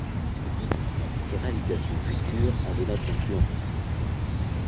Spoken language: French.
Ses réalisations futures en dénotent l'influence.